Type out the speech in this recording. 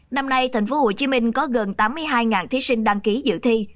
năm nay tp hcm có gần tám mươi hai thí sinh đăng ký dự thi